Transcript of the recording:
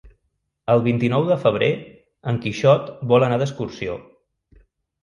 El vint-i-nou de febrer en Quixot vol anar d'excursió.